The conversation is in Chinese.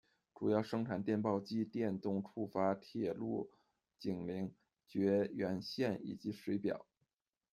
主要生产电报机，电动触发铁路警铃、绝缘线以及水表。